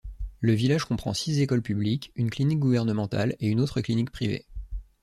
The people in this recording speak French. Le village comprend six écoles publiques, une clinique gouvernementale et une autre clinique privée.